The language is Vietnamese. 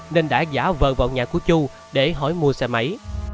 nên đã giả vờ vào nhà của chu để hỏi mua xe máy